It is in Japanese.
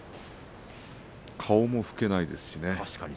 顔も老けないですしね。